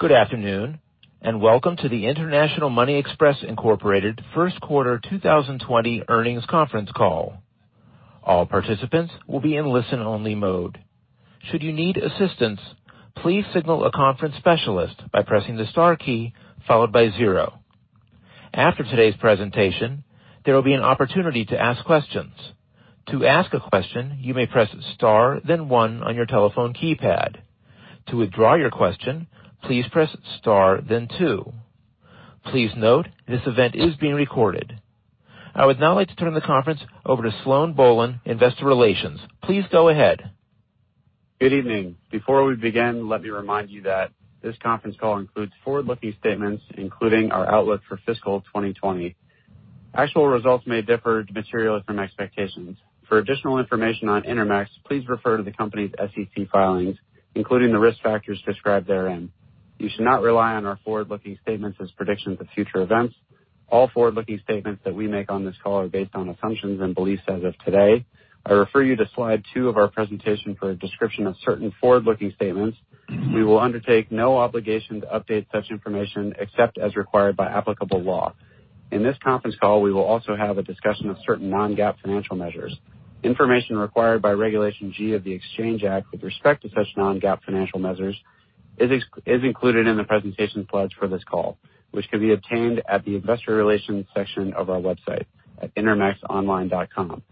Good afternoon, and welcome to the International Money Express, Inc. first quarter 2020 earnings conference call. All participants will be in listen-only mode. Should you need assistance, please signal a conference specialist by pressing the star key followed by zero. After today's presentation, there will be an opportunity to ask questions. To ask a question, you may press star then one on your telephone keypad. To withdraw your question, please press star, then two. Please note, this event is being recorded. I would now like to turn the conference over to Sloan Bohlen, Investor Relations. Please go ahead. Good evening. Before we begin, let me remind you that this conference call includes forward-looking statements, including our outlook for fiscal 2020. Actual results may differ materially from expectations. For additional information on Intermex, please refer to the company's SEC filings, including the risk factors described therein. You should not rely on our forward-looking statements as predictions of future events. All forward-looking statements that we make on this call are based on assumptions and beliefs as of today. I refer you to slide two of our presentation for a description of certain forward-looking statements. We will undertake no obligation to update such information except as required by applicable law. In this conference call, we will also have a discussion of certain non-GAAP financial measures. Information required by Regulation G of the Exchange Act with respect to such non-GAAP financial measures is included in the presentation slides for this call, which can be obtained at the investor relations section of our website at intermexonline.com.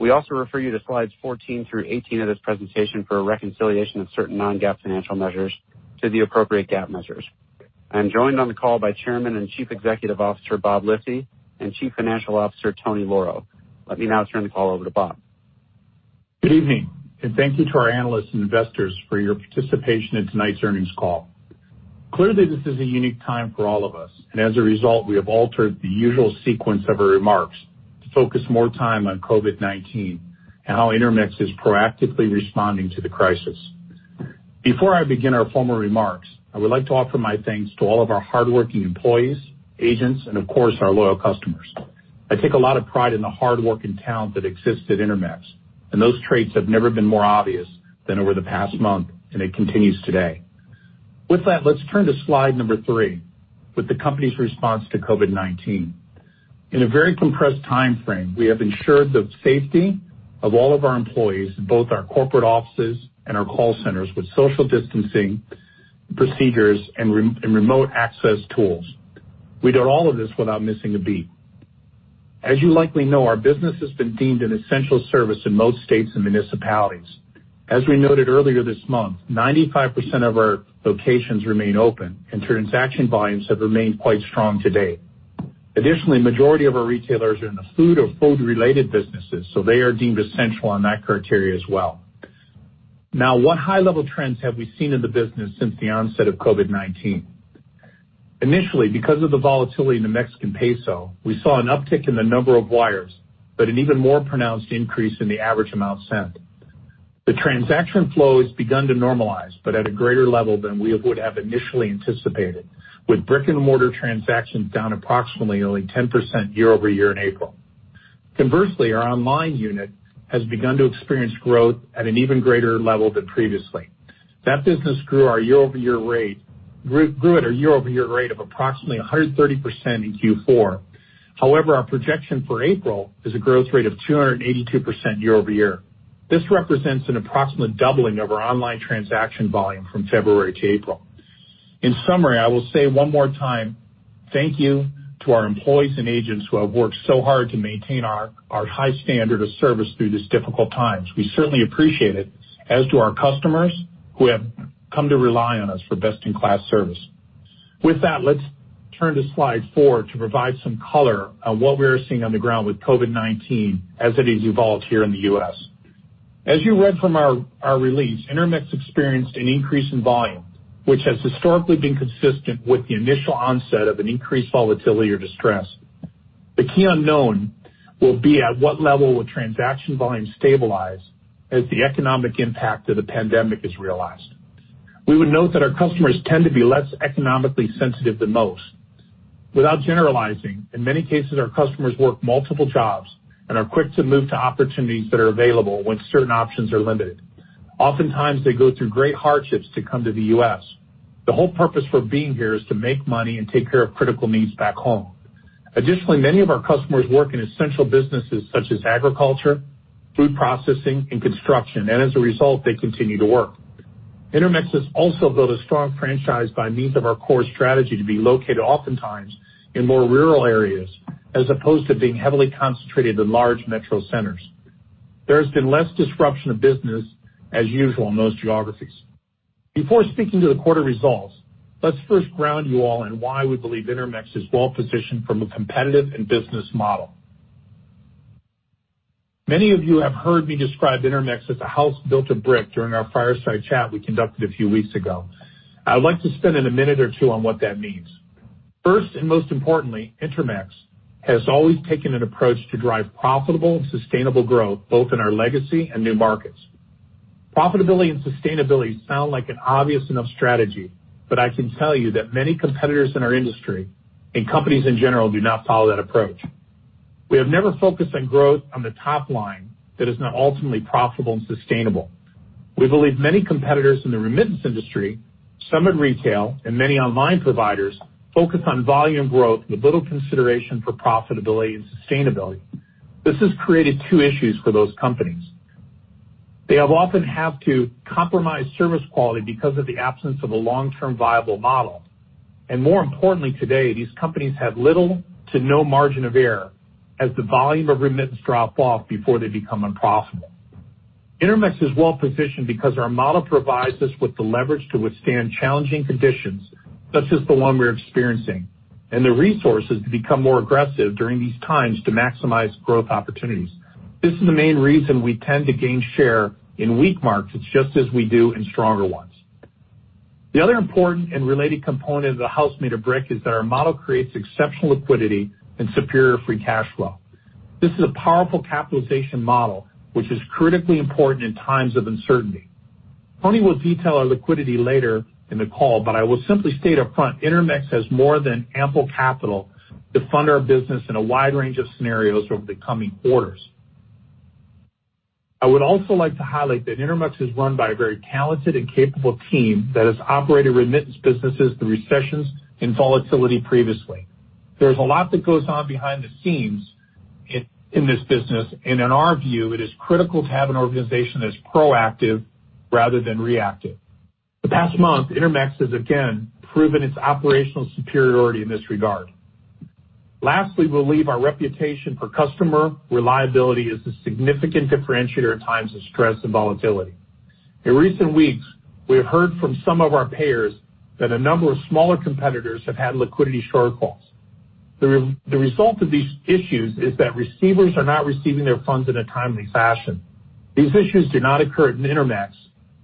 We also refer you to slides 14 through 18 of this presentation for a reconciliation of certain non-GAAP financial measures to the appropriate GAAP measures. I'm joined on the call by Chairman and Chief Executive Officer Bob Lisy and Chief Financial Officer Tony Lauro. Let me now turn the call over to Bob. Good evening, and thank you to our analysts and investors for your participation in tonight's earnings call. Clearly, this is a unique time for all of us, and as a result, we have altered the usual sequence of our remarks to focus more time on COVID-19 and how Intermex is proactively responding to the crisis. Before I begin our formal remarks, I would like to offer my thanks to all of our hardworking employees, agents, and of course, our loyal customers. I take a lot of pride in the hard work and talent that exists at Intermex, and those traits have never been more obvious than over the past month, and it continues today. With that, let's turn to slide number three with the company's response to COVID-19. In a very compressed timeframe, we have ensured the safety of all of our employees in both our corporate offices and our call centers with social distancing procedures and remote access tools. We did all of this without missing a beat. As you likely know, our business has been deemed an essential service in most states and municipalities. As we noted earlier this month, 95% of our locations remain open, and transaction volumes have remained quite strong to date. Additionally, majority of our retailers are in the food or food-related businesses, so they are deemed essential on that criteria as well. Now, what high-level trends have we seen in the business since the onset of COVID-19? Initially, because of the volatility in the Mexican peso, we saw an uptick in the number of wires, but an even more pronounced increase in the average amount sent. The transaction flow has begun to normalize, but at a greater level than we would have initially anticipated with brick-and-mortar transactions down approximately only 10% year-over-year in April. Conversely, our online unit has begun to experience growth at an even greater level than previously. That business grew at a year-over-year rate of approximately 130% in Q4. However, our projection for April is a growth rate of 282% year-over-year. This represents an approximate doubling of our online transaction volume from February to April. In summary, I will say one more time, thank you to our employees and agents who have worked so hard to maintain our high standard of service through these difficult times. We certainly appreciate it, as do our customers who have come to rely on us for best-in-class service. With that, let's turn to slide four to provide some color on what we are seeing on the ground with COVID-19 as it has evolved here in the U.S. As you read from our release, Intermex experienced an increase in volume, which has historically been consistent with the initial onset of an increased volatility or distress. The key unknown will be at what level will transaction volume stabilize as the economic impact of the pandemic is realized. We would note that our customers tend to be less economically sensitive than most. Without generalizing, in many cases, our customers work multiple jobs and are quick to move to opportunities that are available when certain options are limited. Oftentimes, they go through great hardships to come to the U.S. The whole purpose for being here is to make money and take care of critical needs back home. Additionally, many of our customers work in essential businesses such as agriculture, food processing, and construction, and as a result, they continue to work. Intermex has also built a strong franchise by means of our core strategy to be located oftentimes in more rural areas, as opposed to being heavily concentrated in large metro centers. There has been less disruption of business as usual in those geographies. Before speaking to the quarter results, let's first ground you all in why we believe Intermex is well-positioned from a competitive and business model. Many of you have heard me describe Intermex as a house built of brick during our fireside chat we conducted a few weeks ago. I would like to spend a minute or two on what that means. First, most importantly, Intermex has always taken an approach to drive profitable and sustainable growth both in our legacy and new markets. Profitability and sustainability sound like an obvious enough strategy. I can tell you that many competitors in our industry and companies in general do not follow that approach. We have never focused on growth on the top line that is not ultimately profitable and sustainable. We believe many competitors in the remittance industry, some in retail and many online providers, focus on volume growth with little consideration for profitability and sustainability. This has created two issues for those companies. They often have to compromise service quality because of the absence of a long-term viable model. More importantly today, these companies have little to no margin of error as the volume of remittance drop off before they become unprofitable. Intermex is well-positioned because our model provides us with the leverage to withstand challenging conditions such as the one we're experiencing, and the resources to become more aggressive during these times to maximize growth opportunities. This is the main reason we tend to gain share in weak markets just as we do in stronger ones. The other important and related component of the house made of brick is that our model creates exceptional liquidity and superior free cash flow. This is a powerful capitalization model, which is critically important in times of uncertainty. Tony will detail our liquidity later in the call, but I will simply state up front, Intermex has more than ample capital to fund our business in a wide range of scenarios over the coming quarters. I would also like to highlight that Intermex is run by a very talented and capable team that has operated remittance businesses through recessions and volatility previously. There's a lot that goes on behind the scenes in this business, and in our view, it is critical to have an organization that's proactive rather than reactive. The past month, Intermex has again proven its operational superiority in this regard. Lastly, we believe our reputation for customer reliability is a significant differentiator in times of stress and volatility. In recent weeks, we have heard from some of our payers that a number of smaller competitors have had liquidity shortfalls. The result of these issues is that receivers are not receiving their funds in a timely fashion. These issues do not occur in Intermex,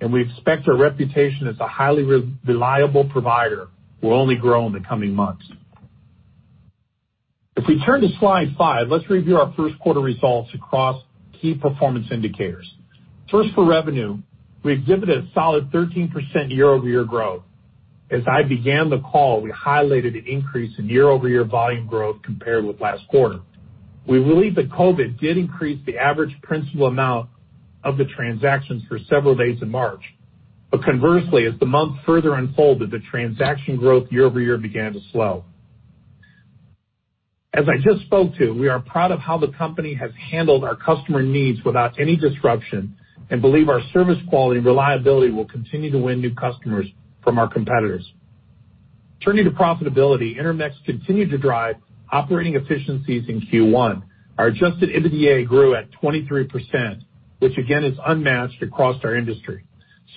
and we expect our reputation as a highly reliable provider will only grow in the coming months. If we turn to slide five, let's review our first quarter results across key performance indicators. First, for revenue, we exhibited a solid 13% year-over-year growth. As I began the call, we highlighted an increase in year-over-year volume growth compared with last quarter. We believe that COVID did increase the average principal amount of the transactions for several days in March. Conversely, as the month further unfolded, the transaction growth year-over-year began to slow. As I just spoke to, we are proud of how the company has handled our customer needs without any disruption and believe our service quality and reliability will continue to win new customers from our competitors. Turning to profitability, Intermex continued to drive operating efficiencies in Q1. Our adjusted EBITDA grew at 23%, which again is unmatched across our industry.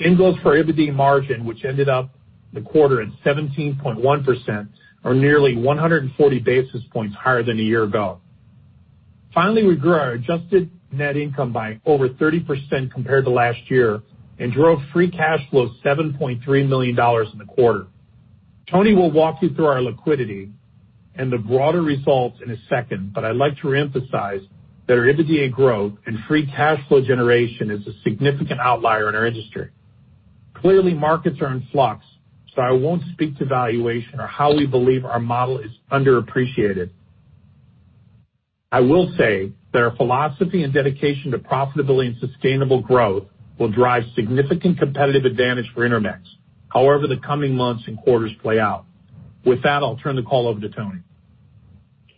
Same goes for EBITDA margin, which ended up the quarter at 17.1% or nearly 140 basis points higher than a year ago. Finally, we grew our adjusted net income by over 30% compared to last year and drove free cash flow $7.3 million in the quarter. Tony will walk you through our liquidity and the broader results in a second. I'd like to reemphasize that our EBITDA growth and free cash flow generation is a significant outlier in our industry. Clearly, markets are in flux. I won't speak to valuation or how we believe our model is underappreciated. I will say that our philosophy and dedication to profitability and sustainable growth will drive significant competitive advantage for Intermex however the coming months and quarters play out. With that, I'll turn the call over to Tony.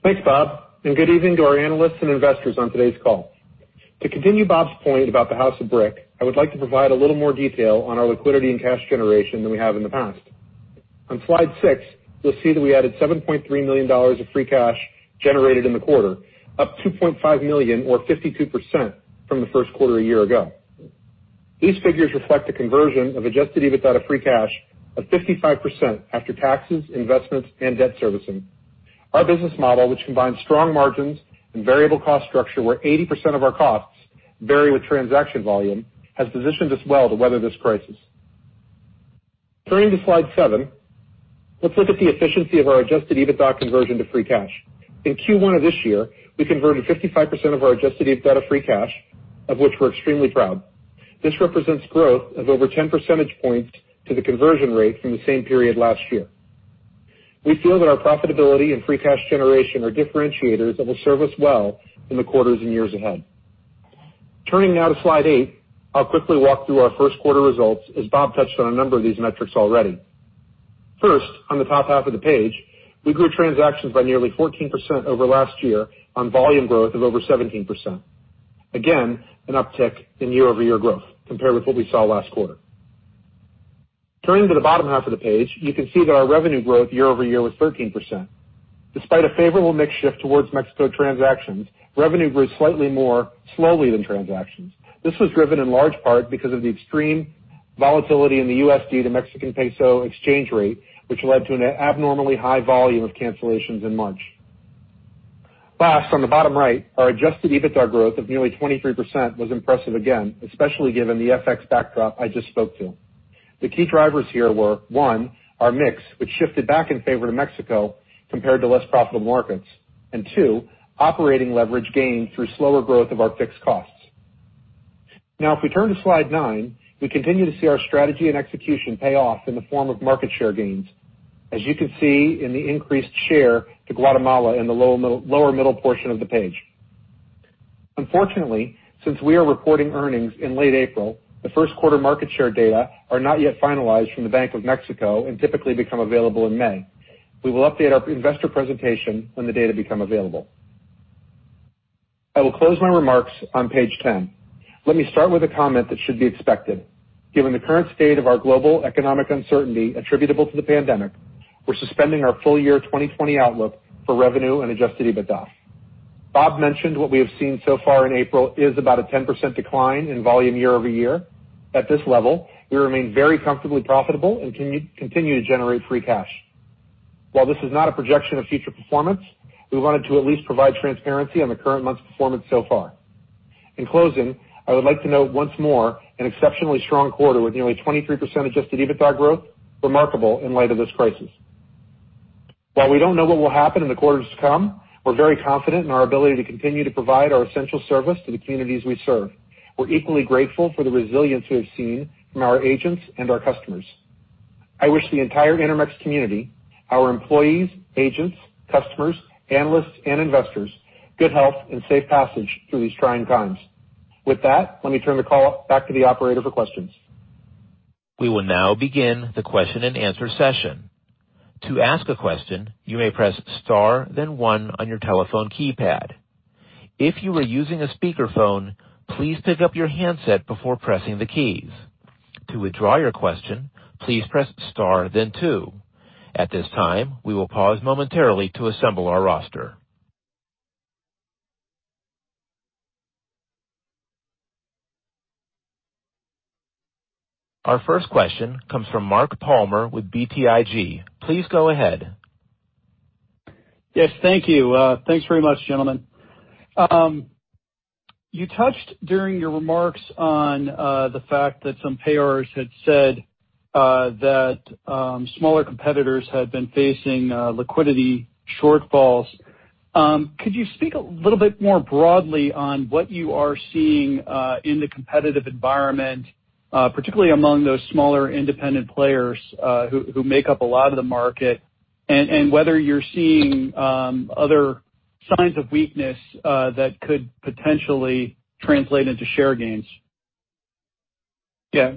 Thanks, Bob. Good evening to our analysts and investors on today's call. To continue Bob's point about the house of brick, I would like to provide a little more detail on our liquidity and cash generation than we have in the past. On slide six, you'll see that we added $7.3 million of free cash generated in the quarter, up $2.5 million or 52% from the first quarter a year ago. These figures reflect a conversion of adjusted EBITDA free cash of 55% after taxes, investments, and debt servicing. Our business model, which combines strong margins and variable cost structure where 80% of our costs vary with transaction volume, has positioned us well to weather this crisis. Turning to slide seven, let's look at the efficiency of our adjusted EBITDA conversion to free cash. In Q1 of this year, we converted 55% of our adjusted EBITDA free cash, of which we're extremely proud. This represents growth of over 10 percentage points to the conversion rate from the same period last year. We feel that our profitability and free cash generation are differentiators that will serve us well in the quarters and years ahead. Turning now to slide eight, I'll quickly walk through our first quarter results as Bob touched on a number of these metrics already. First, on the top half of the page, we grew transactions by nearly 14% over last year on volume growth of over 17%. Again, an uptick in year-over-year growth compared with what we saw last quarter. Turning to the bottom half of the page, you can see that our revenue growth year-over-year was 13%. Despite a favorable mix shift towards México transactions, revenue grew slightly more slowly than transactions. This was driven in large part because of the extreme volatility in the U.S. dollars to Mexican peso exchange rate, which led to an abnormally high volume of cancellations in March. Last, on the bottom right, our adjusted EBITDA growth of nearly 23% was impressive again, especially given the FX backdrop I just spoke to. The key drivers here were, one, our mix, which shifted back in favor to México compared to less profitable markets. two, operating leverage gained through slower growth of our fixed cost. Now, if we turn to slide nine, we continue to see our strategy and execution pay off in the form of market share gains, as you can see in the increased share to Guatemala in the lower middle portion of the page. Unfortunately, since we are reporting earnings in late April, the first quarter market share data are not yet finalized from the Bank of Mexico and typically become available in May. We will update our investor presentation when the data become available. I will close my remarks on page 10. Let me start with a comment that should be expected. Given the current state of our global economic uncertainty attributable to the pandemic, we're suspending our full year 2020 outlook for revenue and adjusted EBITDA. Bob mentioned what we have seen so far in April is about a 10% decline in volume year-over-year. At this level, we remain very comfortably profitable and continue to generate free cash. While this is not a projection of future performance, we wanted to at least provide transparency on the current month's performance so far. In closing, I would like to note once more an exceptionally strong quarter with nearly 23% adjusted EBITDA growth, remarkable in light of this crisis. While we don't know what will happen in the quarters to come, we're very confident in our ability to continue to provide our essential service to the communities we serve. We're equally grateful for the resilience we have seen from our agents and our customers. I wish the entire Intermex community, our employees, agents, customers, analysts, and investors good health and safe passage through these trying times. With that, let me turn the call back to the operator for questions. We will now begin the Q&A session. To ask a question, you may press star then one on your telephone keypad. If you are using a speakerphone, please pick up your handset before pressing the keys. To withdraw your question, please press star then two. At this time, we will pause momentarily to assemble our roster. Our first question comes from Mark Palmer with BTIG. Please go ahead. Yes. Thank you. Thanks very much, gentlemen. You touched during your remarks on the fact that some payers had said that smaller competitors had been facing liquidity shortfalls. Could you speak a little bit more broadly on what you are seeing in the competitive environment, particularly among those smaller independent players who make up a lot of the market, and whether you're seeing other signs of weakness that could potentially translate into share gains?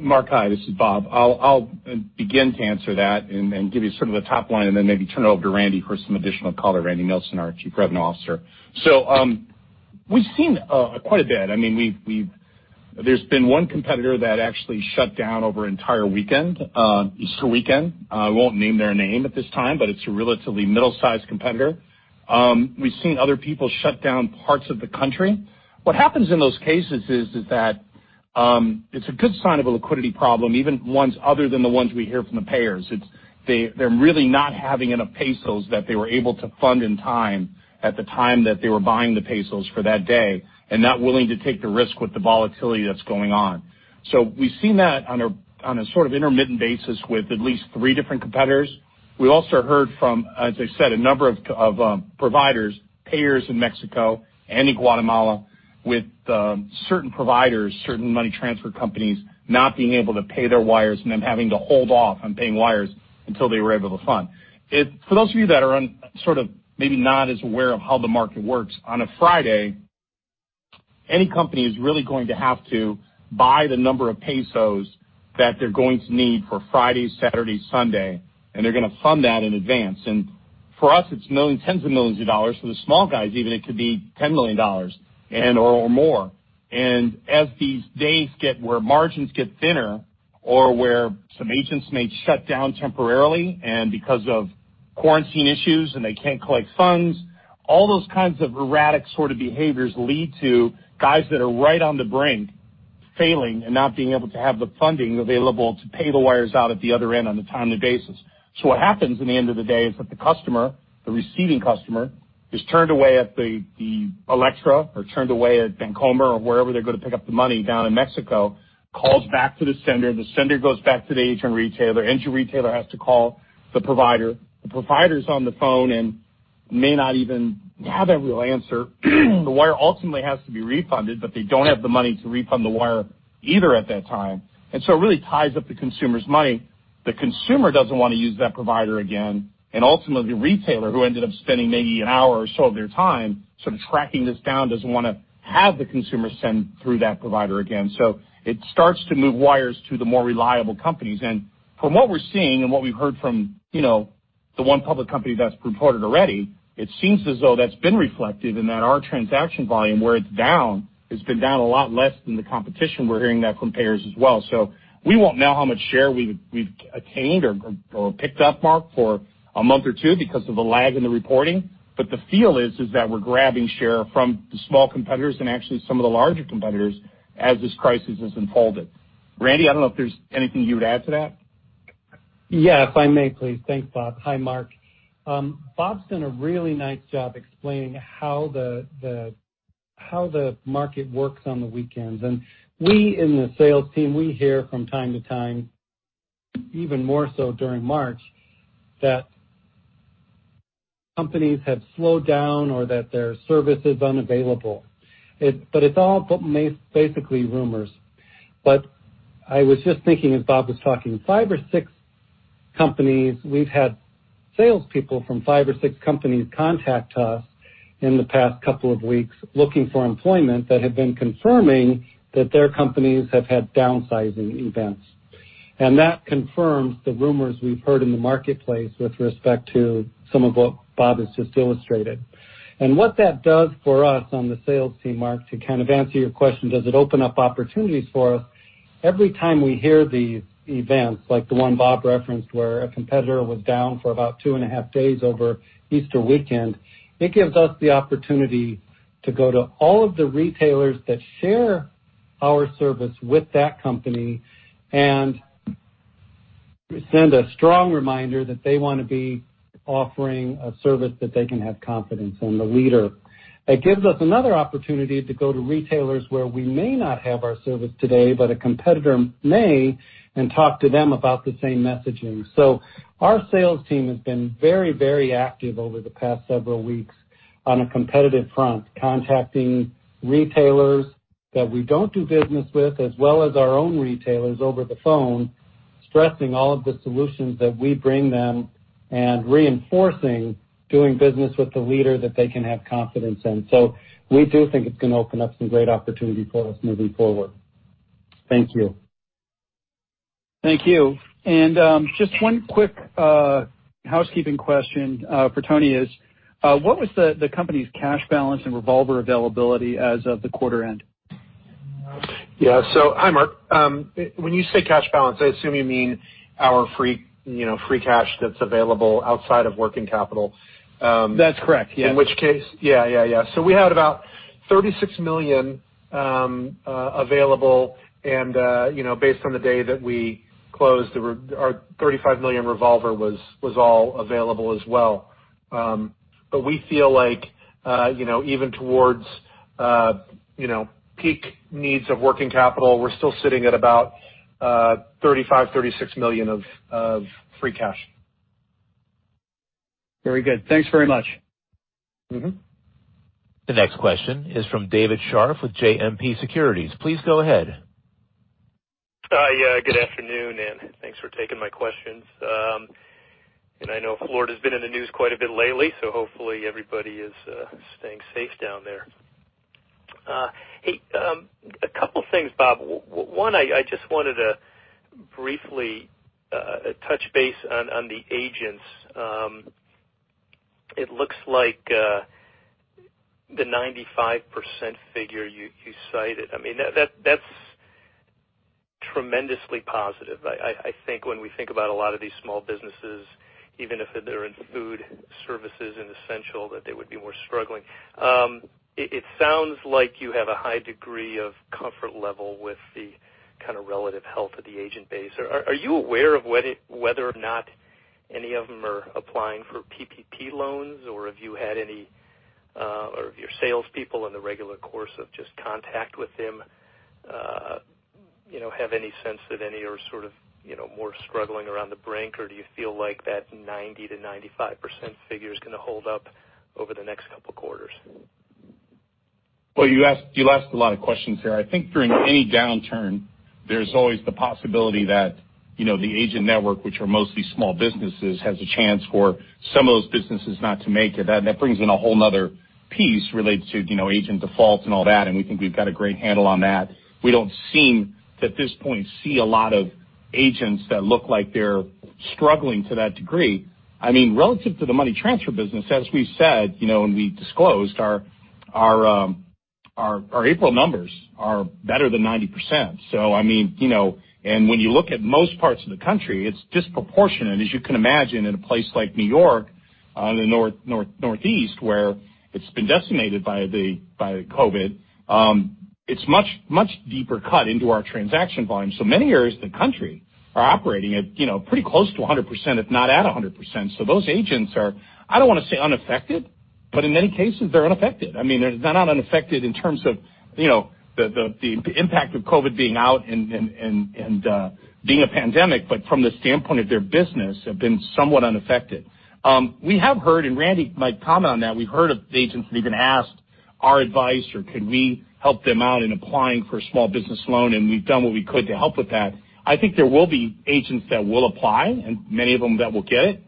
Mark. Hi, this is Bob. I'll begin to answer that and give you sort of the top line and then maybe turn it over to Randall for some additional color. Randall Nilsen, our Chief Revenue Officer. We've seen quite a bit. There's been one competitor that actually shut down over an entire weekend, Easter weekend. I won't name their name at this time, but it's a relatively middle-sized competitor. We've seen other people shut down parts of the country. What happens in those cases is that it's a good sign of a liquidity problem, even ones other than the ones we hear from the payers. They're really not having enough pesos that they were able to fund in time at the time that they were buying the pesos for that day and not willing to take the risk with the volatility that's going on. We've seen that on a sort of intermittent basis with at least three different competitors. We also heard from, as I said, a number of providers, payers in Mexico and in Guatemala with certain providers, certain money transfer companies not being able to pay their wires and then having to hold off on paying wires until they were able to fund. For those of you that are sort of maybe not as aware of how the market works, on a Friday, any company is really going to have to buy the number of pesos that they're going to need for Friday, Saturday, Sunday, and they're going to fund that in advance. For us, it's tens of millions of dollars. For the small guys even, it could be $10 million and/or more. As these days get where margins get thinner or where some agents may shut down temporarily and because of quarantine issues and they can't collect funds, all those kinds of erratic sort of behaviors lead to guys that are right on the brink failing and not being able to have the funding available to pay the wires out at the other end on a timely basis. What happens in the end of the day is that the customer, the receiving customer, is turned away at the Elektra or turned away at Bancomer or wherever they're going to pick up the money down in Mexico, calls back to the sender. The sender goes back to the agent retailer. Agent retailer has to call the provider. The provider's on the phone and may not even have a real answer. The wire ultimately has to be refunded, but they don't have the money to refund the wire either at that time. It really ties up the consumer's money. The consumer doesn't want to use that provider again, and ultimately, the retailer who ended up spending maybe an hour or so of their time sort of tracking this down doesn't want to have the consumer send through that provider again. It starts to move wires to the more reliable companies. From what we're seeing and what we've heard from the one public company that's reported already, it seems as though that's been reflected and that our transaction volume, where it's down, has been down a lot less than the competition. We're hearing that from payers as well. We won't know how much share we've attained or picked up, Mark, for a month or two because of a lag in the reporting. The feel is that we're grabbing share from the small competitors and actually some of the larger competitors as this crisis has unfolded. Randall, I don't know if there's anything you would add to that. Yeah. If I may, please. Thanks, Bob. Hi, Mark. Bob's done a really nice job explaining how the market works on the weekends. We in the sales team, we hear from time to time, even more so during March, that Companies have slowed down or that their service is unavailable. It's all but basically rumors. I was just thinking as Bob was talking, we've had salespeople from five or six companies contact us in the past couple of weeks looking for employment that have been confirming that their companies have had downsizing events. That confirms the rumors we've heard in the marketplace with respect to some of what Bob has just illustrated. What that does for us on the sales team, Mark, to kind of answer your question, does it open up opportunities for us? Every time we hear these events, like the one Bob referenced where a competitor was down for about two and a half days over Easter weekend, it gives us the opportunity to go to all of the retailers that share our service with that company and send a strong reminder that they want to be offering a service that they can have confidence in, the leader. It gives us another opportunity to go to retailers where we may not have our service today, but a competitor may, and talk to them about the same messaging. Our sales team has been very active over the past several weeks on a competitive front, contacting retailers that we don't do business with as well as our own retailers over the phone, stressing all of the solutions that we bring them and reinforcing doing business with the leader that they can have confidence in. We do think it's going to open up some great opportunity for us moving forward. Thank you. Thank you. Just one quick housekeeping question for Tony is what was the company's cash balance and revolver availability as of the quarter end? Yeah. Hi, Mark. When you say cash balance, I assume you mean our free cash that's available outside of working capital. That's correct, yeah. In which case, yeah. We had about $36 million available and based on the day that we closed, our $35 million revolver was all available as well. We feel like even towards peak needs of working capital, we're still sitting at about $35, $36 million of free cash. Very good. Thanks very much. The next question is from David Scharf with JMP Securities. Please go ahead. Hi. Good afternoon, and thanks for taking my questions. I know Florida's been in the news quite a bit lately, so hopefully everybody is staying safe down there. Hey, a couple of things, Bob. One, I just wanted to briefly touch base on the agents. It looks like the 95% figure you cited. That's tremendously positive. I think when we think about a lot of these small businesses, even if they're in food services and essential, that they would be more struggling. It sounds like you have a high degree of comfort level with the kind of relative health of the agent base. Are you aware of whether or not any of them are applying for PPP loans? Have you had any of your salespeople in the regular course of just contact with them have any sense that any are sort of more struggling around the brink, or do you feel like that 90%-95% figure is going to hold up over the next couple of quarters? Well, you asked a lot of questions there. I think during any downturn, there's always the possibility that the agent network, which are mostly small businesses, has a chance for some of those businesses not to make it. That brings in a whole another piece related to agent defaults and all that, and we think we've got a great handle on that. We don't seem, at this point, see a lot of agents that look like they're struggling to that degree. Relative to the money transfer business, as we've said, when we disclosed our April numbers are better than 90%. When you look at most parts of the country, it's disproportionate. As you can imagine, in a place like New York, the Northeast, where it's been decimated by the COVID-19, it's much deeper cut into our transaction volume. Many areas of the country are operating at pretty close to 100%, if not at 100%. Those agents are, I don't want to say unaffected, but in many cases, they're unaffected. They're not unaffected in terms of the impact of COVID being out and being a pandemic, but from the standpoint of their business have been somewhat unaffected. We have heard, and Randall might comment on that. We've heard of agents that even asked our advice or could we help them out in applying for a small business loan, and we've done what we could to help with that. I think there will be agents that will apply and many of them that will get it.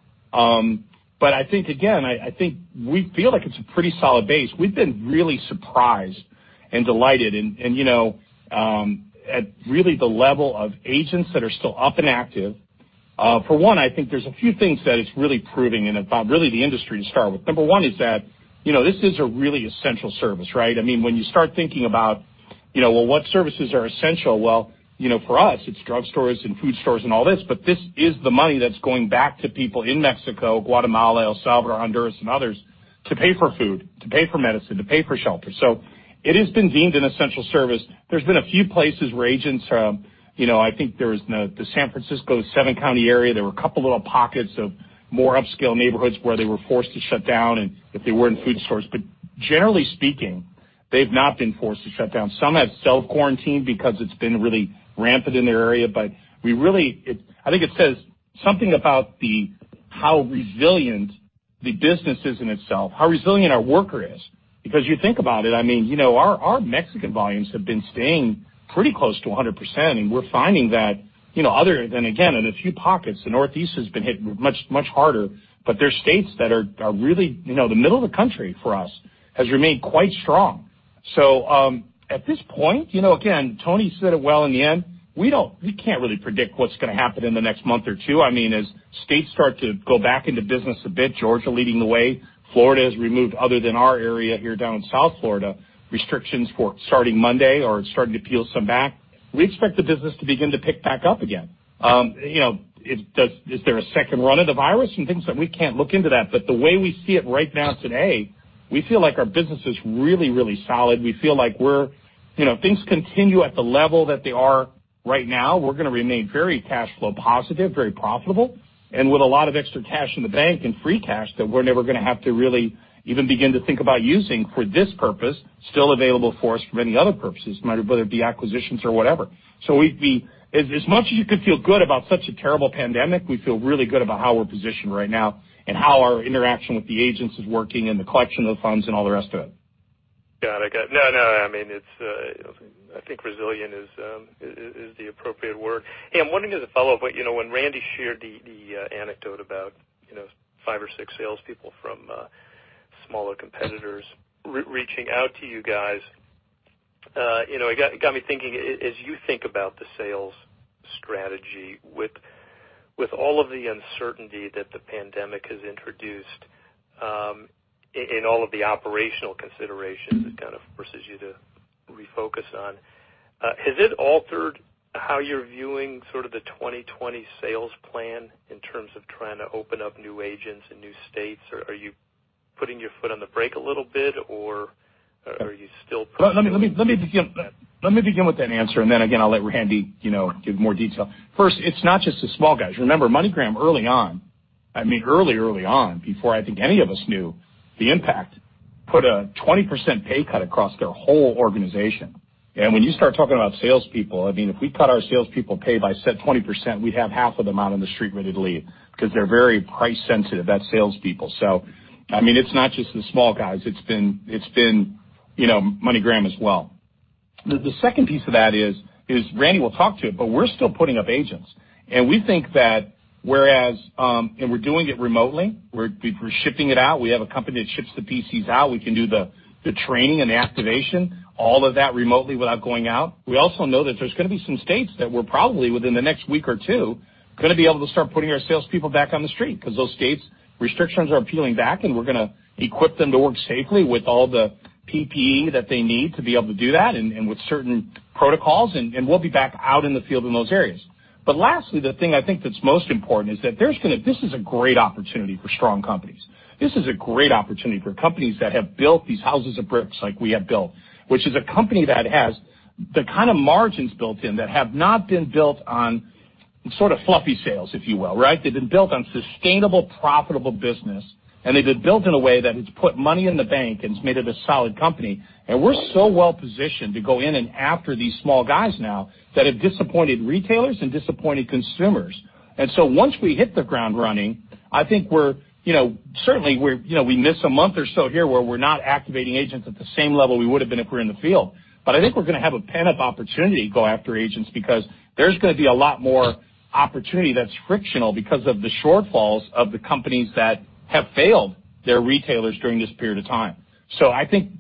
I think, again, I think we feel like it's a pretty solid base. We've been really surprised and delighted at really the level of agents that are still up and active. For one, I think there's a few things that it's really proving, and about really the industry to start with. Number one is that this is a really essential service, right? When you start thinking about what services are essential, well, for us, it's drugstores and food stores and all this, but this is the money that's going back to people in Mexico, Guatemala, El Salvador, Honduras, and others to pay for food, to pay for medicine, to pay for shelter. It has been deemed an essential service. There's been a few places where agents, I think there was the San Francisco seven-county area. There were a couple little pockets of more upscale neighborhoods where they were forced to shut down if they weren't food stores. Generally speaking They've not been forced to shut down. Some have self-quarantined because it's been really rampant in their area. I think it says something about how resilient the business is in itself, how resilient our worker is. Because you think about it, our Mexican volumes have been staying pretty close to 100%, and we're finding that other than, again, in a few pockets, the Northeast has been hit much harder, but there's states that are really the middle of the country for us has remained quite strong. At this point, again, Tony said it well in the end, we can't really predict what's going to happen in the next month or two. As states start to go back into business a bit, Georgia leading the way, Florida has removed, other than our area here down in South Florida, restrictions for starting Monday or starting to peel some back. We expect the business to begin to pick back up again. Is there a second run of the virus and things like. We can't look into that. The way we see it right now today, we feel like our business is really solid. We feel like if things continue at the level that they are right now, we're going to remain very cash flow positive, very profitable, and with a lot of extra cash in the bank and free cash that we're never going to have to really even begin to think about using for this purpose, still available for us for many other purposes, whether it be acquisitions or whatever. As much as you could feel good about such a terrible pandemic, we feel really good about how we're positioned right now and how our interaction with the agents is working and the collection of funds and all the rest of it. Got it. I think resilient is the appropriate word. Hey, I'm wondering as a follow-up, when Randall shared the anecdote about five or six salespeople from smaller competitors reaching out to you guys, it got me thinking. As you think about the sales strategy with all of the uncertainty that the pandemic has introduced in all of the operational considerations it kind of forces you to refocus on, has it altered how you're viewing sort of the 2020 sales plan in terms of trying to open up new agents in new states? Are you putting your foot on the brake a little bit, or are you still- Let me begin with that answer, and then again, I'll let Randall give more detail. First, it's not just the small guys. Remember MoneyGram early on, I mean early on, before I think any of us knew the impact, put a 20% pay cut across their whole organization. When you start talking about salespeople, if we cut our salespeople pay by said 20%, we'd have half of them out on the street ready to leave because they're very price sensitive. That's salespeople. It's not just the small guys. It's been MoneyGram as well. The second piece of that is, Randall will talk to it, but we're still putting up agents. We think that we're doing it remotely. We're shipping it out. We have a company that ships the PCs out. We can do the training and the activation, all of that remotely without going out. We also know that there's going to be some states that we're probably within the next week or two, going to be able to start putting our salespeople back on the street because those states' restrictions are peeling back, and we're going to equip them to work safely with all the PPE that they need to be able to do that and with certain protocols, and we'll be back out in the field in those areas. Lastly, the thing I think that's most important is that this is a great opportunity for strong companies. This is a great opportunity for companies that have built these houses of bricks like we have built, which is a company that has the kind of margins built in that have not been built on sort of fluffy sales, if you will. They've been built on sustainable, profitable business, and they've been built in a way that has put money in the bank and has made it a solid company. We're so well-positioned to go in and after these small guys now that have disappointed retailers and disappointed consumers. Once we hit the ground running, I think certainly we miss a month or so here where we're not activating agents at the same level we would have been if we were in the field. I think we're going to have a pent-up opportunity to go after agents because there's going to be a lot more opportunity that's frictional because of the shortfalls of the companies that have failed their retailers during this period of time. I think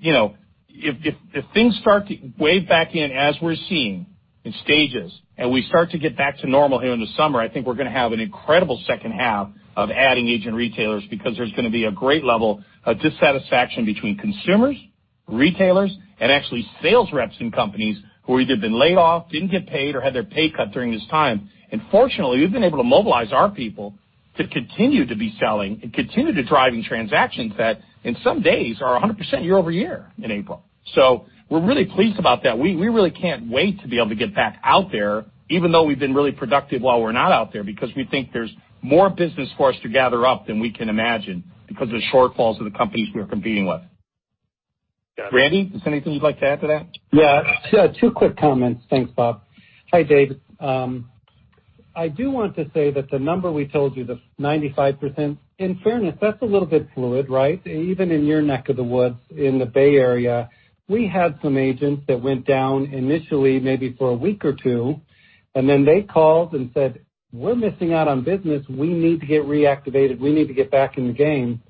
if things start to wave back in as we're seeing in stages, and we start to get back to normal here in the summer, I think we're going to have an incredible second half of adding agent retailers because there's going to be a great level of dissatisfaction between consumers, retailers, and actually sales reps in companies who either have been laid off, didn't get paid, or had their pay cut during this time. fortunately, we've been able to mobilize our people to continue to be selling and continue to driving transactions that in some days are 100% year-over-year in April. we're really pleased about that. We really can't wait to be able to get back out there, even though we've been really productive while we're not out there because we think there's more business for us to gather up than we can imagine because of the shortfalls of the companies we are competing with. Got it. Randall, is there anything you'd like to add to that? Yeah. Two quick comments. Thanks, Bob. Hi, Dave. I do want to say that the number we told you, the 95%, in fairness, that's a little bit fluid. Even in your neck of the woods in the Bay Area, we had some agents that went down initially, maybe for a week or two, and then they called and said, "We're missing out on business. We need to get reactivated. We need to get back in the game."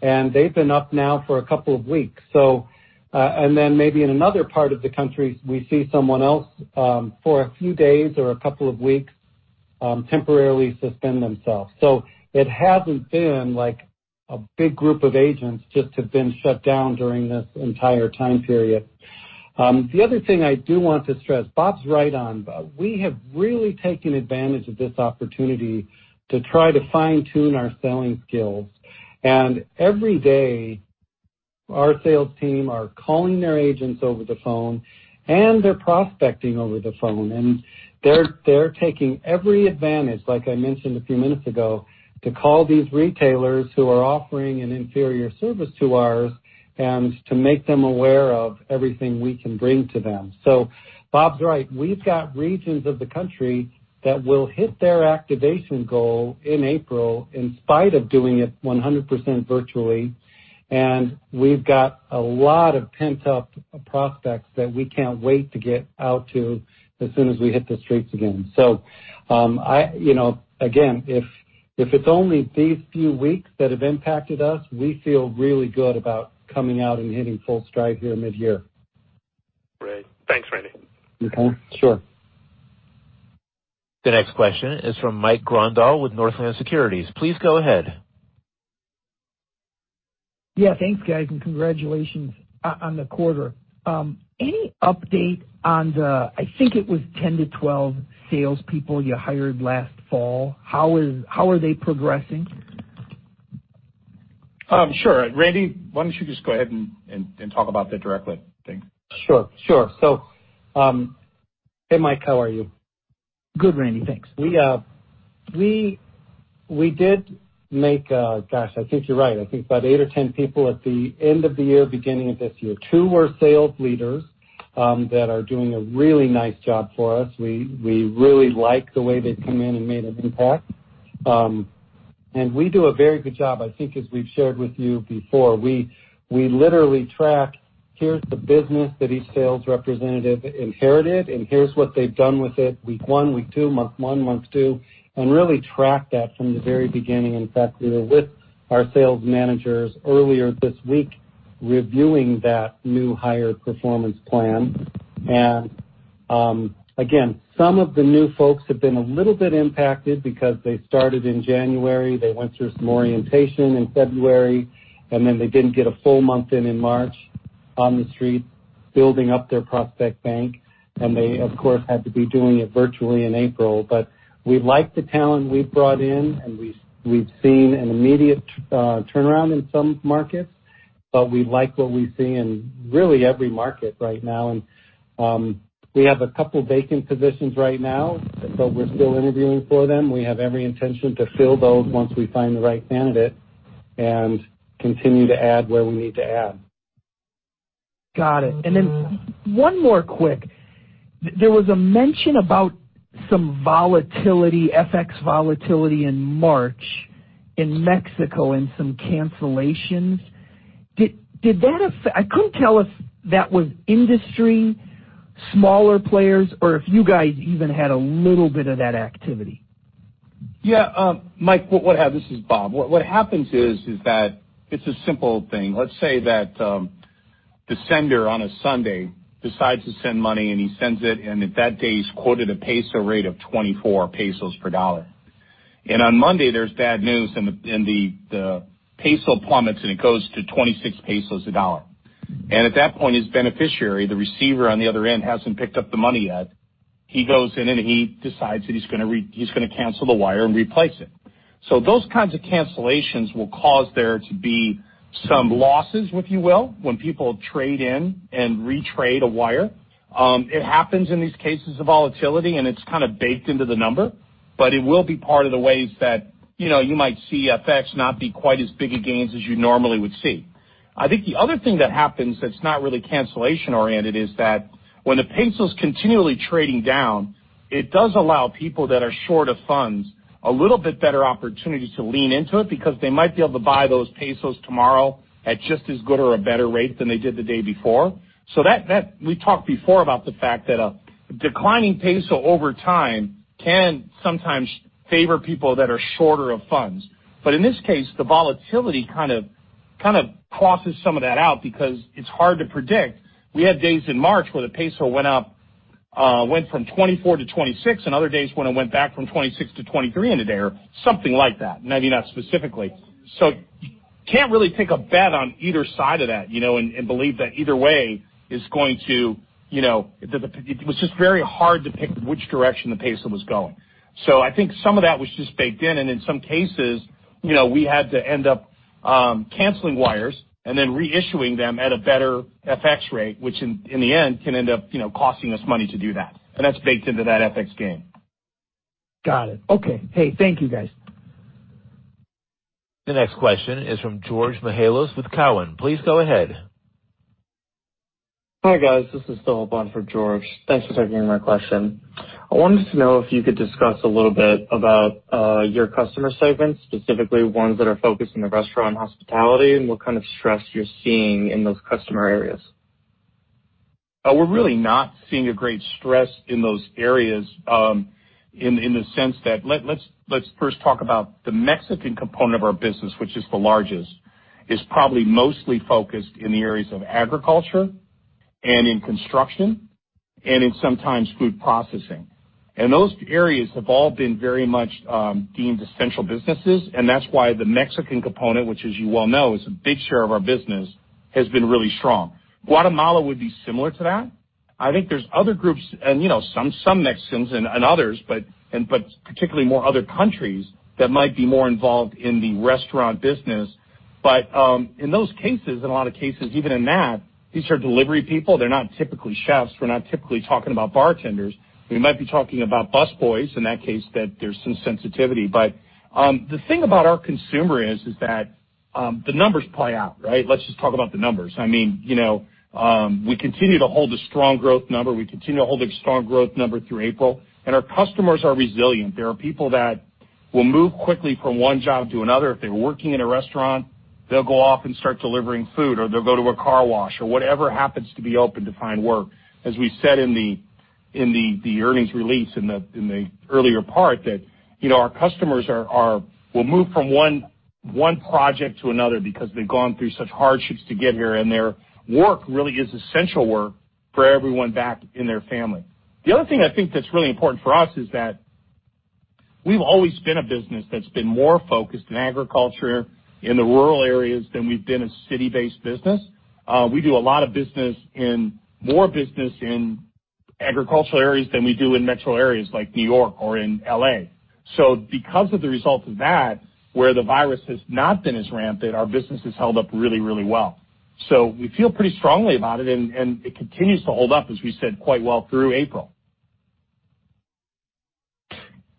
They've been up now for a couple of weeks. Maybe in another part of the country, we see someone else for a few days or a couple of weeks temporarily suspend themselves. It hasn't been like a big group of agents just have been shut down during this entire time period. The other thing I do want to stress, Bob's right on, Bob. We have really taken advantage of this opportunity to try to fine-tune our selling skills. Every day our sales team are calling their agents over the phone, and they're prospecting over the phone, and they're taking every advantage, like I mentioned a few minutes ago, to call these retailers who are offering an inferior service to ours and to make them aware of everything we can bring to them. Bob's right. We've got regions of the country that will hit their activation goal in April in spite of doing it 100% virtually. We've got a lot of pent-up prospects that we can't wait to get out to as soon as we hit the streets again. Again, if it's only these few weeks that have impacted us, we feel really good about coming out and hitting full stride here mid-year. Great. Thanks, Randall. Okay, sure. The next question is from Mike Grondahl with Northland Securities. Please go ahead. Yeah, thanks, guys, and congratulations on the quarter. Any update on, I think it was 10-12 salespeople you hired last fall. How are they progressing? Sure. Randall, why don't you just go ahead and talk about that directly? Thanks. Sure. Hey, Mike, how are you? Good, Randall. Thanks. We did make, gosh, I think you're right. I think about eight or ten people at the end of the year, beginning of this year. Two were sales leaders that are doing a really nice job for us. We really like the way they've come in and made an impact. We do a very good job, I think as we've shared with you before. We literally track, here's the business that each sales representative inherited, and here's what they've done with it week one, week two, month one, month two, and really track that from the very beginning. In fact, we were with our sales managers earlier this week reviewing that new hire performance plan. Again, some of the new folks have been a little bit impacted because they started in January. They went through some orientation in February, and then they didn't get a full month in in March on the street building up their prospect bank. They, of course, had to be doing it virtually in April. We like the talent we've brought in, and we've seen an immediate turnaround in some markets, but we like what we see in really every market right now. We have a couple vacant positions right now, but we're still interviewing for them. We have every intention to fill those once we find the right candidate and continue to add where we need to add. Got it. one more quick. There was a mention about some volatility, FX volatility in March in Mexico and some cancellations. I couldn't tell if that was industry, smaller players, or if you guys even had a little bit of that activity. Yeah. Mike, this is Bob. What happens is that it's a simple thing. Let's say that the sender on a Sunday decides to send money, and he sends it, and that day he's quoted a peso rate of 24 pesos per dollar. On Monday, there's bad news, and the peso plummets, and it goes to 26 pesos a dollar. At that point, his beneficiary, the receiver on the other end, hasn't picked up the money yet. He goes in, and he decides that he's going to cancel the wire and replace it. Those kinds of cancellations will cause there to be some losses, if you will, when people trade in and retrade a wire. It happens in these cases of volatility, and it's kind of baked into the number, but it will be part of the ways that you might see FX not be quite as big a gains as you normally would see. I think the other thing that happens that's not really cancellation-oriented is that when the peso's continually trading down, it does allow people that are short of funds a little bit better opportunity to lean into it because they might be able to buy those pesos tomorrow at just as good or a better rate than they did the day before. We talked before about the fact that a declining peso over time can sometimes favor people that are shorter of funds. In this case, the volatility kind of crosses some of that out because it's hard to predict. We had days in March where the peso went from 24 to 26 and other days when it went back from 26 to 23 in a day or something like that. Maybe not specifically. You can't really take a bet on either side of that and believe that either way. It was just very hard to pick which direction the peso was going. I think some of that was just baked in, and in some cases, we had to end up canceling wires and then reissuing them at a better FX rate, which in the end can end up costing us money to do that. That's baked into that FX gain. Got it. Okay. Hey, thank you, guys. The next question is from George Mihalos with Cowen. Please go ahead. Hi, guys. This is Phillip on for George. Thanks for taking my question. I wanted to know if you could discuss a little bit about your customer segments, specifically ones that are focusing on restaurant and hospitality and what kind of stress you’re seeing in those customer areas? We’re really not seeing a great stress in those areas in the sense that, let’s first talk about the Mexican component of our business, which is the largest, is probably mostly focused in the areas of agriculture, and in construction and then sometimes food processing. And those areas have all been very much deemed essential businesses. And that’s why the Mexican component, which as you well know is a big share of our business, has been really strong. Guatemala would be similar to that. I think there's other groups and some Mexicans and others, but particularly more other countries that might be more involved in the restaurant business. In those cases, in a lot of cases, even in that, these are delivery people. They're not typically chefs. We're not typically talking about bartenders. We might be talking about busboys, in that case, that there's some sensitivity. The thing about our consumer is that the numbers play out, right? Let's just talk about the numbers. We continue to hold a strong growth number through April, and our customers are resilient. They are people that will move quickly from one job to another. If they were working in a restaurant, they'll go off and start delivering food, or they'll go to a car wash or whatever happens to be open to find work. As we said in the earnings release in the earlier part that our customers will move from one project to another because they've gone through such hardships to get here, and their work really is essential work for everyone back in their family. The other thing I think that's really important for us is that we've always been a business that's been more focused on agriculture in the rural areas than we've been a city-based business. We do more business in agricultural areas than we do in metro areas like New York or in L.A. Because of the result of that, where the virus has not been as rampant, our business has held up really, really well. We feel pretty strongly about it, and it continues to hold up, as we said, quite well through April.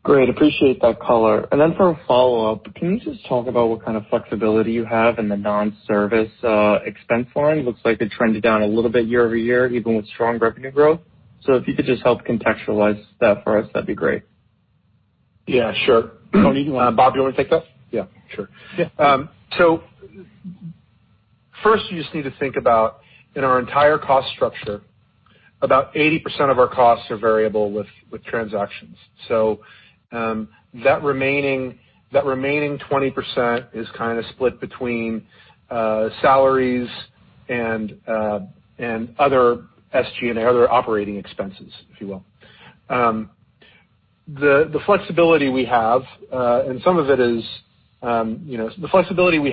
Great. Appreciate that color. For a follow-up, can you just talk about what kind of flexibility you have in the non-service expense line? Looks like it trended down a little bit year over year, even with strong revenue growth. If you could just help contextualize that for us, that'd be great. Yeah, sure. Tony, you want to- Bob, you want me to take that? Yeah, sure. Yeah. First you just need to think about in our entire cost structure, about 80% of our costs are variable with transactions. That remaining 20% is kind of split between salaries and other SG&A and other operating expenses, if you will. The flexibility we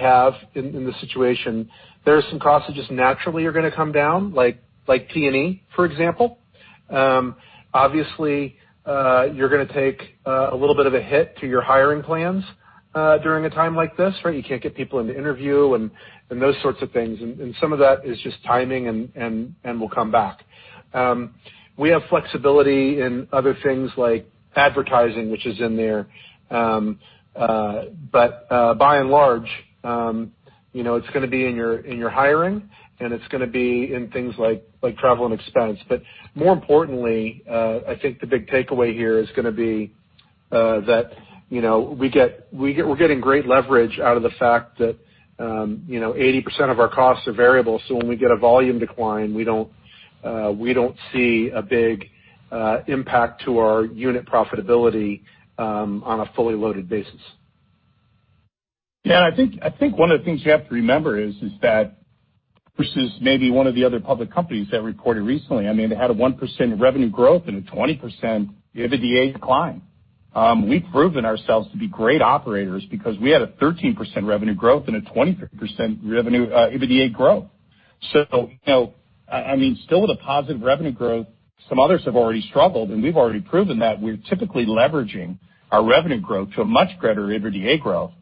have in this situation, there are some costs that just naturally are going to come down, like T&E, for example. Obviously, you're going to take a little bit of a hit to your hiring plans during a time like this, right? You can't get people in to interview and those sorts of things. Some of that is just timing and will come back. We have flexibility in other things like advertising, which is in there. By and large it's going to be in your hiring and it's going to be in things like travel and expense. More importantly, I think the big takeaway here is going to be that we're getting great leverage out of the fact that 80% of our costs are variable. when we get a volume decline, we don't see a big impact to our unit profitability on a fully loaded basis. Yeah, I think one of the things you have to remember is that versus maybe one of the other public companies that reported recently, they had a 1% revenue growth and a 20% EBITDA decline. We've proven ourselves to be great operators because we had a 13% revenue growth and a 20% revenue EBITDA growth. Still with a positive revenue growth, some others have already struggled, and we've already proven that we're typically leveraging our revenue growth to a much greater EBITDA growth.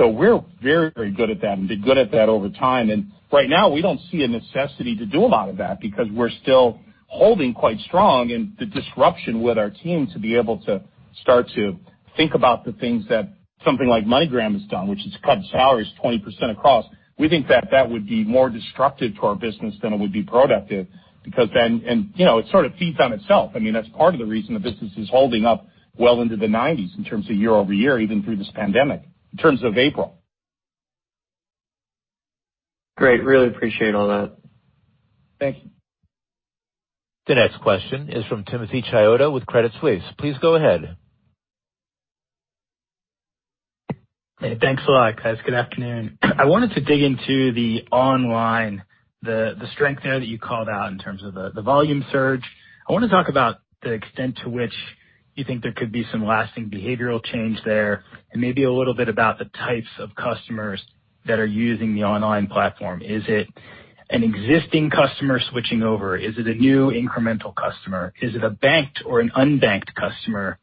We're very good at that and been good at that over time. Right now, we don't see a necessity to do a lot of that because we're still holding quite strong in the disruption with our team to be able to start to think about the things that something like MoneyGram has done, which is cut salaries 20% across. We think that that would be more destructive to our business than it would be productive because then it sort of feeds on itself. That's part of the reason the business is holding up well into the nineties in terms of year-over-year, even through this pandemic, in terms of April. Great. Really appreciate all that. Thank you. The next question is from Timothy Chiodo with Credit Suisse. Please go ahead. Hey, thanks a lot, guys. Good afternoon. I wanted to dig into the online, the strength there that you called out in terms of the volume surge. I want to talk about the extent to which you think there could be some lasting behavioral change there and maybe a little bit about the types of customers that are using the online platform. Is it an existing customer switching over? Is it a new incremental customer? Is it a banked or an unbanked customer?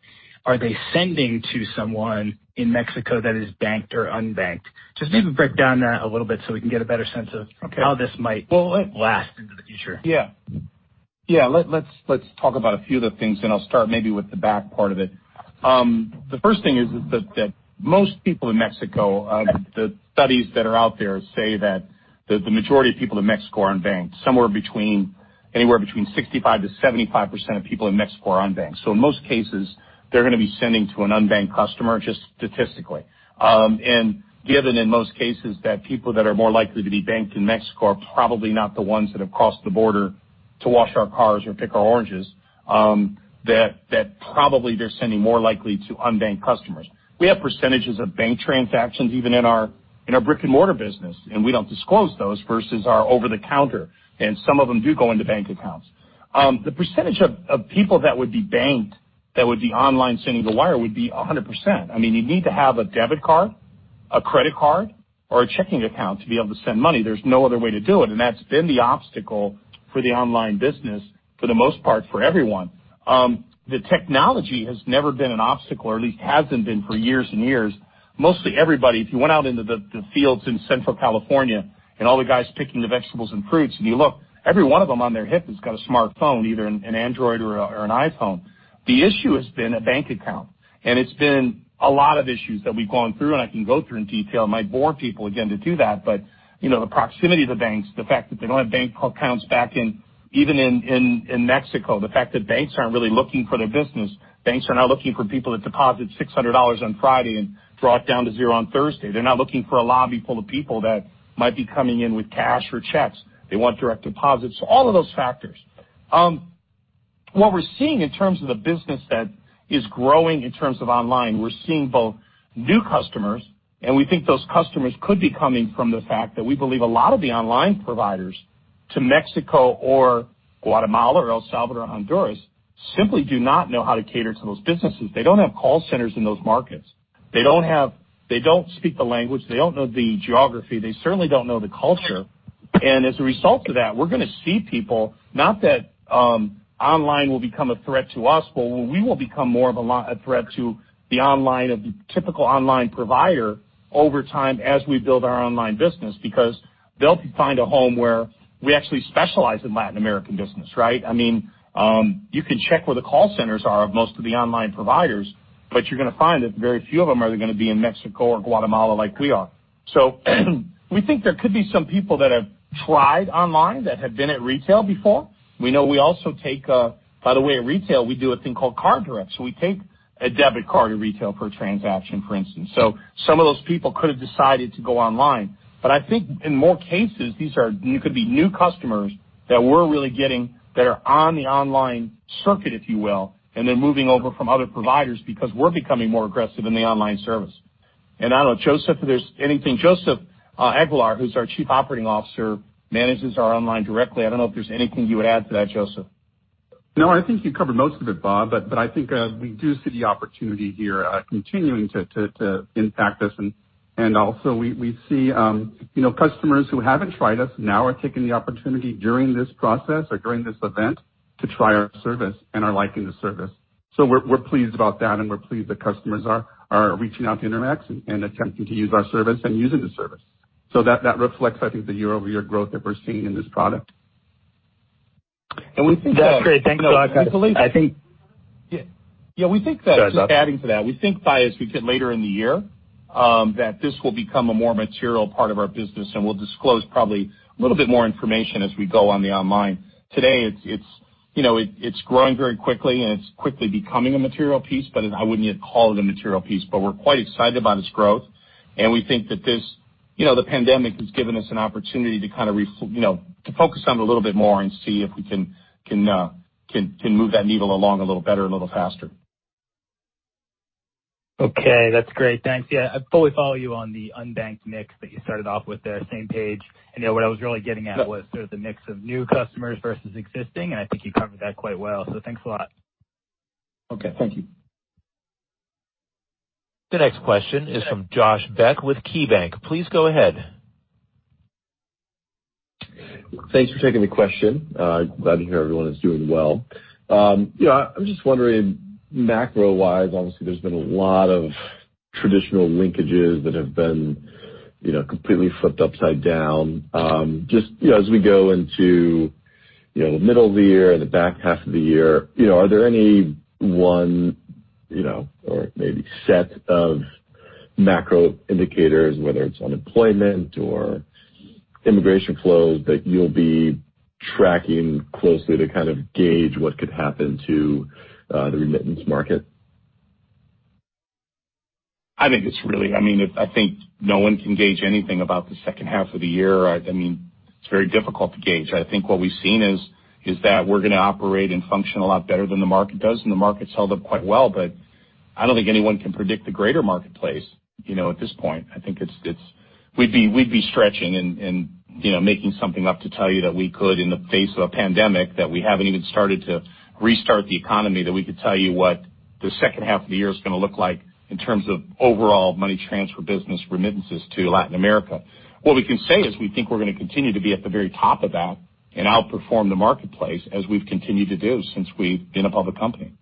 Are they sending to someone in Mexico that is banked or unbanked? Just maybe break down that a little bit so we can get a better sense of- Okay how this might- Well, last into the future. Yeah. Let's talk about a few of the things, then I'll start maybe with the back part of it. The first thing is that most people in Mexico, the studies that are out there say that the majority of people in Mexico are unbanked. Somewhere between anywhere between 65%-75% of people in Mexico are unbanked. In most cases, they're going to be sending to an unbanked customer just statistically. Given in most cases that people that are more likely to be banked in Mexico are probably not the ones that have crossed the border to wash our cars or pick our oranges, that probably they're sending more likely to unbanked customers. We have percentages of bank transactions even in our brick-and-mortar business, and we don't disclose those versus our over-the-counter, and some of them do go into bank accounts. The percentage of people that would be banked that would be online sending the wire would be 100%. You need to have a debit card, a credit card or a checking account to be able to send money. There's no other way to do it, and that's been the obstacle for the online business for the most part, for everyone. The technology has never been an obstacle, or at least hasn't been for years and years. Mostly everybody, if you went out into the fields in Central California and all the guys picking the vegetables and fruits, and you look, every one of them on their hip has got a smartphone, either an Android or an iPhone. The issue has been a bank account, and it's been a lot of issues that we've gone through, and I can go through in detail. It might bore people again to do that. The proximity to banks, the fact that they don't have bank accounts back in, even in Mexico. The fact that banks aren't really looking for their business. Banks are not looking for people to deposit $600 on Friday and draw it down to zero on Thursday. They're not looking for a lobby full of people that might be coming in with cash or checks. They want direct deposits. all of those factors. What we're seeing in terms of the business that is growing in terms of online, we're seeing both new customers, and we think those customers could be coming from the fact that we believe a lot of the online providers to Mexico or Guatemala or El Salvador, Honduras simply do not know how to cater to those businesses. They don't have call centers in those markets. They don't speak the language. They don't know the geography. They certainly don't know the culture. As a result of that, we're going to see people, not that online will become a threat to us, but we will become more of a threat to the online and the typical online provider over time as we build our online business, because they'll find a home where we actually specialize in Latin American business. You can check where the call centers are of most of the online providers, but you're going to find that very few of them are going to be in Mexico or Guatemala like we are. We think there could be some people that have tried online that have been at retail before. We know we also take, by the way, at retail, we do a thing called Card Direct, so we take a debit card in retail per transaction, for instance. Some of those people could have decided to go online. I think in more cases, these could be new customers that we're really getting that are on the online circuit, if you will, and they're moving over from other providers because we're becoming more aggressive in the online service. I don't know, Joseph, if there's anything. Joseph Aguilar, who's our Chief Operating Officer, manages our online directly. I don't know if there's anything you add to that, Joseph. No, I think you covered most of it, Bob, but I think we do see the opportunity here continuing to impact us. Also we see customers who haven't tried us now are taking the opportunity during this process or during this event to try our service and are liking the service. We're pleased about that, and we're pleased that customers are reaching out to Intermex and attempting to use our service and using the service. That reflects, I think, the year-over-year growth that we're seeing in this product. we think that- That's great. Thanks a lot, guys. Yeah. We think that- Go ahead, Bob. Just adding to that. We think by as we get later in the year, that this will become a more material part of our business, and we'll disclose probably a little bit more information as we go on the online. Today, it's growing very quickly, and it's quickly becoming a material piece, but I wouldn't yet call it a material piece. We're quite excited about its growth, and we think that the pandemic has given us an opportunity to focus on it a little bit more and see if we can move that needle along a little better, a little faster. Okay. That's great. Thanks. Yeah, I fully follow you on the unbanked mix that you started off with there, same page. What I was really getting at was sort of the mix of new customers versus existing, and I think you covered that quite well. Thanks a lot. Okay. Thank you. The next question is from Josh Beck with KeyBanc. Please go ahead. Thanks for taking the question. Glad to hear everyone is doing well. I'm just wondering, macro-wise, obviously, there's been a lot of traditional linkages that have been completely flipped upside down. Just as we go into the middle of the year, the back half of the year, are there any one or maybe set of macro indicators, whether it's unemployment or immigration flows, that you'll be tracking closely to kind of gauge what could happen to the remittance market? I think no one can gauge anything about the second half of the year. It's very difficult to gauge. I think what we've seen is that we're going to operate and function a lot better than the market does, and the market's held up quite well. I don't think anyone can predict the greater marketplace at this point. I think we'd be stretching and making something up to tell you that we could in the face of a pandemic, that we haven't even started to restart the economy, that we could tell you what the second half of the year is going to look like in terms of overall money transfer business remittances to Latin America. What we can say is we think we're going to continue to be at the very top of that and outperform the marketplace as we've continued to do since we've been a public company.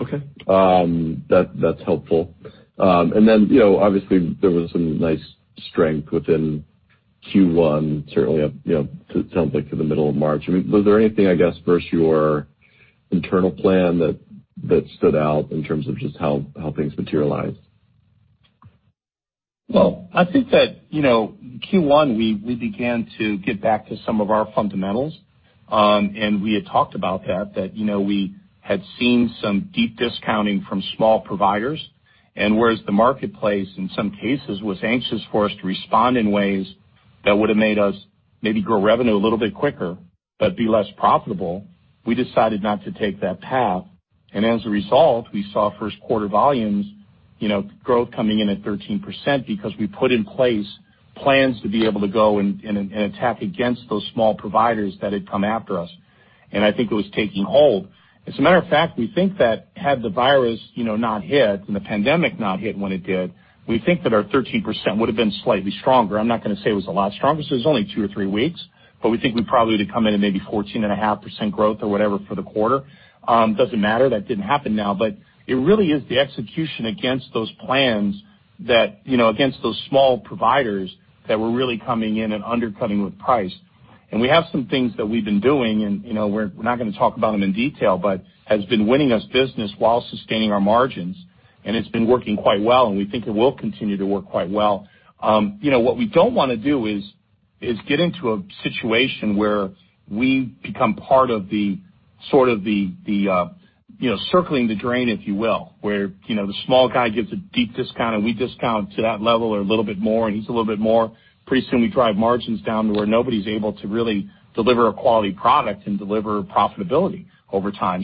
Okay. That's helpful. obviously there was some nice strength within Q1, certainly it sounds like in the middle of March. Was there anything, I guess, versus your internal plan that stood out in terms of just how things materialized? Well, I think that Q1 we began to get back to some of our fundamentals. We had talked about that we had seen some deep discounting from small providers, and whereas the marketplace in some cases was anxious for us to respond in ways that would have made us maybe grow revenue a little bit quicker but be less profitable, we decided not to take that path. As a result, we saw first quarter volumes growth coming in at 13% because we put in place plans to be able to go and attack against those small providers that had come after us. I think it was taking hold. As a matter of fact, we think that had the virus not hit and the pandemic not hit when it did, we think that our 13% would've been slightly stronger. I'm not going to say it was a lot stronger. It was only two or three weeks, but we think we probably would've come in at maybe 14.5% growth or whatever for the quarter. Doesn't matter. That didn't happen now, but it really is the execution against those plans, against those small providers that were really coming in and undercutting with price. we have some things that we've been doing, and we're not going to talk about them in detail, but has been winning us business while sustaining our margins, and it's been working quite well, and we think it will continue to work quite well. What we don't want to do is get into a situation where we become part of the circling the drain, if you will, where the small guy gives a deep discount, and we discount to that level or a little bit more, and he's a little bit more. Pretty soon we drive margins down to where nobody's able to really deliver a quality product and deliver profitability over time.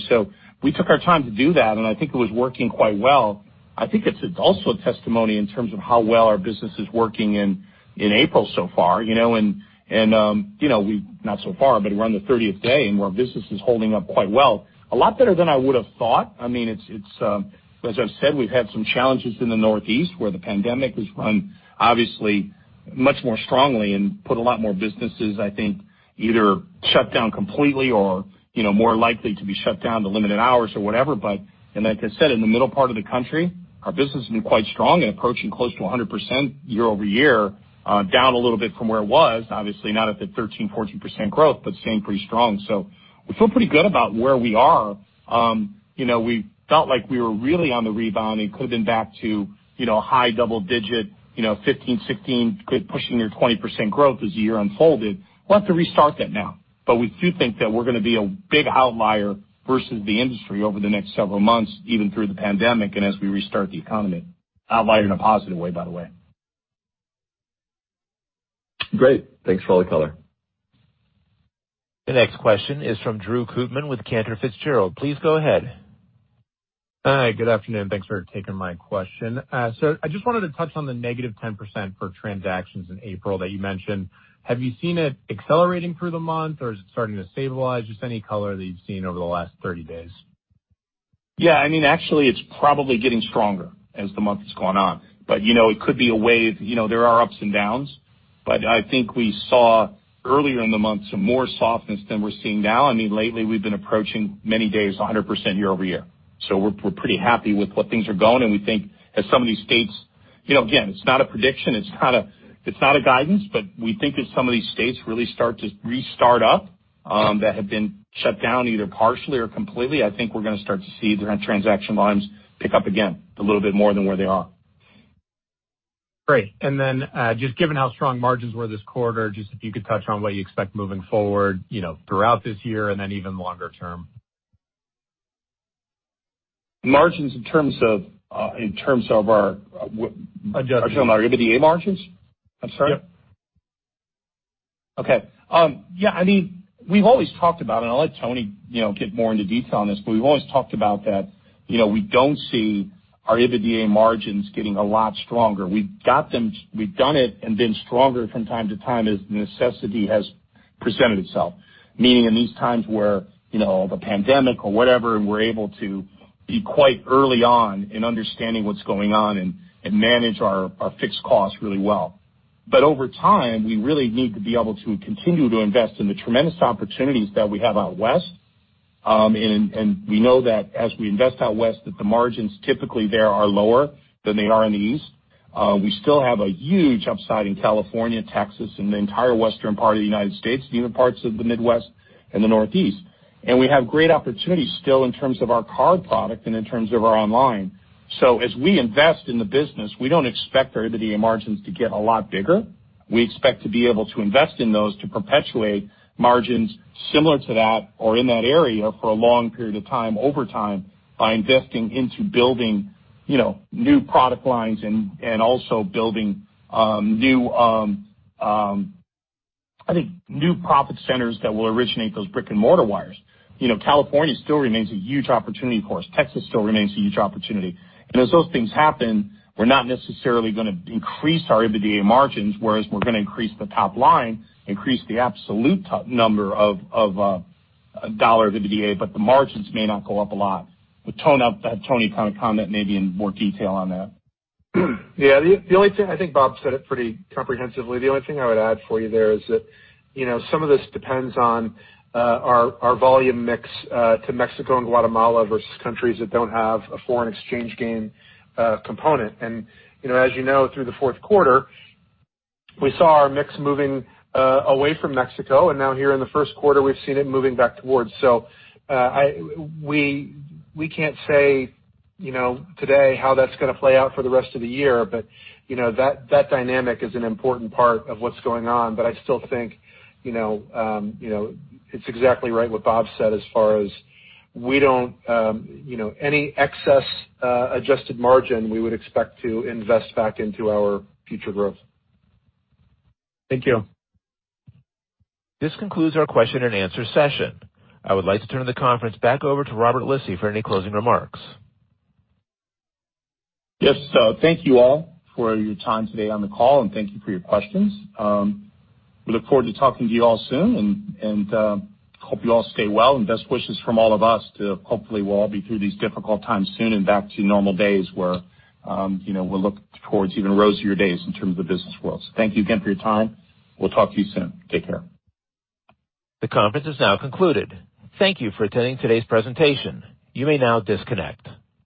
We took our time to do that, and I think it was working quite well. I think it's also a testimony in terms of how well our business is working in April so far. Not so far, but we're on the 30th day, and our business is holding up quite well. A lot better than I would've thought. As I've said, we've had some challenges in the Northeast where the pandemic has run obviously much more strongly and put a lot more businesses, I think, either shut down completely or more likely to be shut down to limited hours or whatever. Like I said, in the middle part of the country, our business has been quite strong and approaching close to 100% year-over-year. Down a little bit from where it was, obviously not at the 13%, 14% growth, but staying pretty strong. We feel pretty good about where we are. We felt like we were really on the rebound and could have been back to high double digit, 15%, 16%, pushing near 20% growth as the year unfolded. We'll have to restart that now, but we do think that we're going to be a big outlier versus the industry over the next several months, even through the pandemic and as we restart the economy. Outlier in a positive way, by the way. Great. Thanks for all the color. The next question is from Drew Koot with Cantor Fitzgerald. Please go ahead. Hi. Good afternoon. Thanks for taking my question. I just wanted to touch on the negative 10% for transactions in April that you mentioned. Have you seen it accelerating through the month, or is it starting to stabilize? Just any color that you've seen over the last 30 days. Yeah. Actually, it's probably getting stronger as the month has gone on. It could be a wave. There are ups and downs, but I think we saw earlier in the month some more softness than we're seeing now. Lately we've been approaching many days 100% year-over-year. We're pretty happy with what things are going, and we think as some of these states really start to restart up that have been shut down either partially or completely. Again, it's not a prediction, it's not a guidance, I think we're going to start to see transaction volumes pick up again a little bit more than where they are. Great. just given how strong margins were this quarter, just if you could touch on what you expect moving forward throughout this year and then even longer term? Margins in terms of our- Adjusted Are you talking about EBITDA margins? I'm sorry. Yep. Okay. Yeah, we've always talked about, and I'll let Tony get more into detail on this, but we've always talked about that we don't see our EBITDA margins getting a lot stronger. We've done it and been stronger from time to time as necessity has presented itself, meaning in these times where the pandemic or whatever, and we're able to be quite early on in understanding what's going on and manage our fixed costs really well. Over time, we really need to be able to continue to invest in the tremendous opportunities that we have out West. We know that as we invest out West, that the margins typically there are lower than they are in the East. We still have a huge upside in California, Texas, and the entire western part of the United States, and even parts of the Midwest and the Northeast. We have great opportunities still in terms of our card product and in terms of our online. As we invest in the business, we don't expect our EBITDA margins to get a lot bigger. We expect to be able to invest in those to perpetuate margins similar to that or in that area for a long period of time over time by investing into building new product lines and also building new profit centers that will originate those brick-and-mortar wires. California still remains a huge opportunity for us. Texas still remains a huge opportunity. As those things happen, we're not necessarily going to increase our EBITDA margins, whereas we're going to increase the top line, increase the absolute number of dollar EBITDA, but the margins may not go up a lot. Tony can comment maybe in more detail on that. Yeah. I think Bob said it pretty comprehensively. The only thing I would add for you there is that some of this depends on our volume mix to Mexico and Guatemala versus countries that don't have a foreign exchange gain component. As you know, through the fourth quarter, we saw our mix moving away from Mexico, and now here in the first quarter, we've seen it moving back towards. We can't say today how that's going to play out for the rest of the year, but that dynamic is an important part of what's going on. I still think it's exactly right what Bob said as far as any excess adjusted margin, we would expect to invest back into our future growth. Thank you. This concludes our Q&A session. I would like to turn the conference back over to Robert Lisy for any closing remarks. Yes. Thank you all for your time today on the call, and thank you for your questions. We look forward to talking to you all soon, and hope you all stay well, and best wishes from all of us to hopefully we'll all be through these difficult times soon and back to normal days where we'll look towards even rosier days in terms of the business world. Thank you again for your time. We'll talk to you soon. Take care. The conference is now concluded. Thank you for attending today's presentation. You may now disconnect.